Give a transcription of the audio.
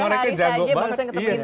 mereka jago banget